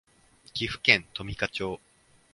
岐阜県富加町